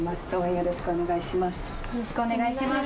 よろしくお願いします。